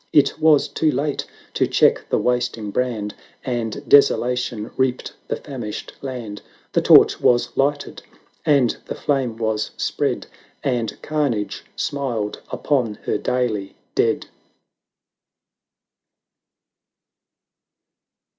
It was too late to check the wasting brand, And Desolation reaped the famished land; The torch was Hghted, and the flame was spread. And Carnage smiled upon her daily dead.